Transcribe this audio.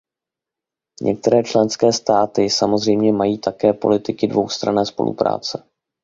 Některé členské státy samozřejmě mají také politiky dvoustranné spolupráce.